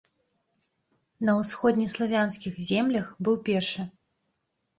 На ўсходнеславянскіх землях быў першы.